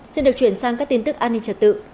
xin được chuyển sang các tin tức an ninh trật tự